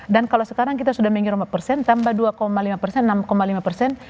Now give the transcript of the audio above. dan kalau sekarang kita sudah mengiur lima persen tambah dua lima persen enam lima persen